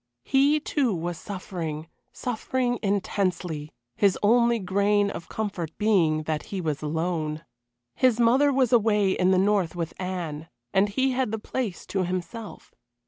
He, too, was suffering, suffering intensely, his only grain of comfort being that he was alone. His mother was away in the north with Anne, and he had the place to himself.